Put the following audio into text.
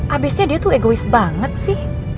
abisnya dia tuh egois banget sih